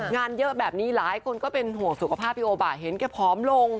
งานเยอะแบบนี้หลายคนก็เป็นห่วงสุขภาพพี่โอบ่าเห็นแกผอมลง